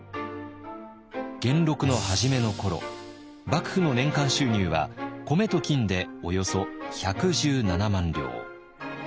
元禄の初めの頃幕府の年間収入は米と金でおよそ１１７万両。